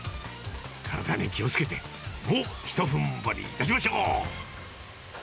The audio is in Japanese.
体に気をつけて、もうひとふんばりいたしましょう。